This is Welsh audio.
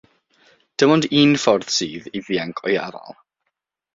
Dim ond un ffordd sydd i ddianc o'i afael